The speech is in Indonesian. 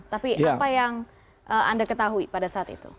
tapi apa yang anda ketahui pada saat itu